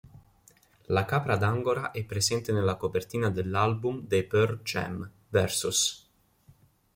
La capra d'Angora è presente nella copertina dell'album dei Pearl Jam, Vs.